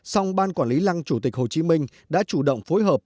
song ban quản lý lăng chủ tịch hồ chí minh đã chủ động phối hợp